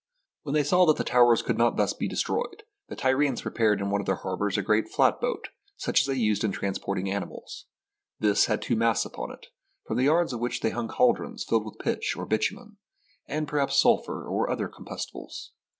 When they saw that the towers could not thus be destroyed, the Tyrians prepared in one of their har bours a great flatboat such as they used in transport ing animals. This had two masts upon it, from the SIEGE OF TYRE yards of which they hung caldrons filled with pitch or bitumen, and perhaps sulphur and other com bustibles.